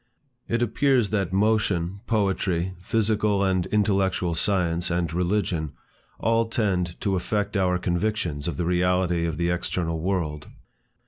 It appears that motion, poetry, physical and intellectual science, and religion, all tend to affect our convictions of the reality of the external world.